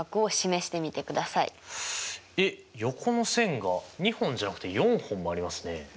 えっ横の線が２本じゃなくて４本もありますね。